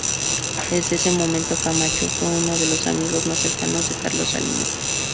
Desde ese momento Camacho fue uno de los amigos más cercanos de Carlos Salinas.